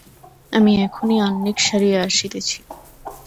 আমি এখনই আহ্নিক সারিয়া আসিতেছি।